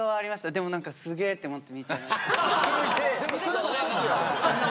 でも何かすげえって思って見ちゃいました。